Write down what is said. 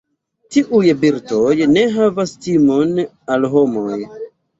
Tiuj birdoj ne havas timon al homoj.